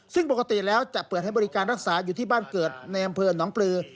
ซึ่งปกติแล้วจะเปิดให้บริการรักษาอยู่ที่บ้านเกิดในอำเภอหนองปลือ